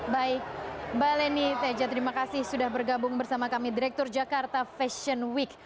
baik mbak leni teja terima kasih sudah bergabung bersama kami direktur jakarta fashion week